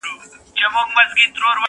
څه پیالې پیالې را ګورې څه نشه نشه ږغېږې،